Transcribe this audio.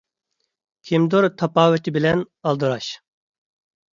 كىمدۇر «تاپاۋىتى» بىلەن ئالدىراش.